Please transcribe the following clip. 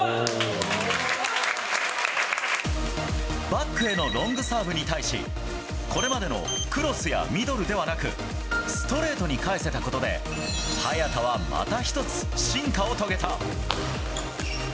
バックへのロングサーブに対し、これまでのクロスやミドルではなく、ストレートに返せたことで、早田はまた一つ、進化を遂げた。